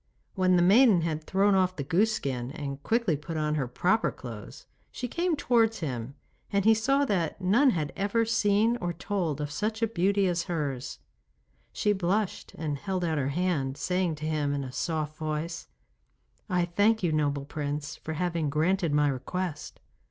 When the maiden had thrown off the goose skin and quickly put on her proper clothes, she came towards him and he saw that none had ever seen or told of such beauty as hers. She blushed and held out her hand, saying to him in a soft voice: 'I thank you, noble Prince, for having granted my request.